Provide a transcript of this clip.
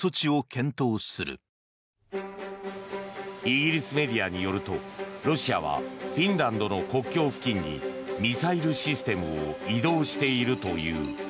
イギリスメディアによるとロシアはフィンランドの国境付近にミサイルシステムを移動しているという。